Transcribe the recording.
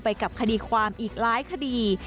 ไปกับคดีความอีกหลายคดี